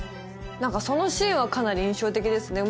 そのシーンはかなり印象的ですね